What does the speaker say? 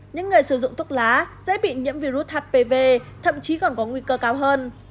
những người sử dụng thuốc lá dễ bị nhiễm virus hpv thậm chí còn có nguy cơ cao hơn